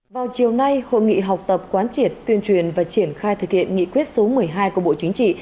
vào chiều nay hội nghị học tập quán triệt tuyên truyền và triển khai thực hiện nghị quyết số một mươi hai của bộ chính trị